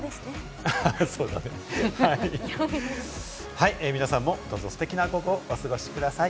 はい、皆さんもどうぞステキな午後をお過ごしください。